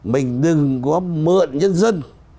mình đừng có mượn nhân dân